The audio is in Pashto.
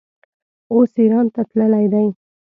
اوس ایران ته تللی دی.